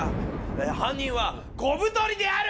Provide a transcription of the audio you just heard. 犯人は小太りである！